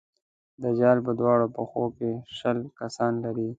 دجال په دواړو پښو کې شل کسان لري.